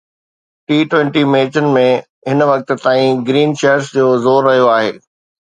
ٽي twenty ميچن ۾ هن وقت تائين گرين شرٽس جو زور رهيو آهي